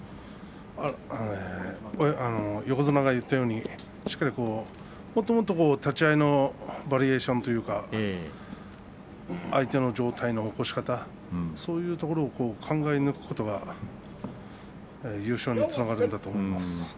横綱が言ったようにしっかりもっともっと立ち合いのバリエーションというか相手の上体の起こし方そういうところを考えることが優勝につながると思います。